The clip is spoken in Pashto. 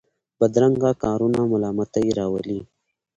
بدرنګه کارونه ملامتۍ راولي